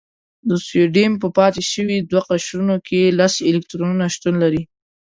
د سوډیم په پاتې شوي دوه قشرونو کې لس الکترونونه شتون لري.